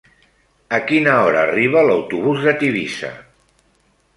A quina hora arriba l'autobús de Tivissa?